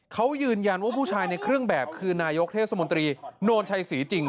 เขายืนยันว่าผู้ชายในเครื่องแบบคือนายกเทศมนตรีโนนชัยศรีจริง